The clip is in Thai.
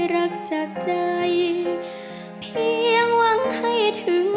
แม้จะเหนื่อยหล่อยเล่มลงไปล้องลอยผ่านไปถึงเธอ